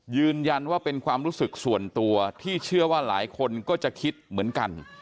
ยืนยันว่าเป็นความรู้สึกส่วนตัวที่เชื่อว่าหลายคนก็จะคิดเหมือนกัน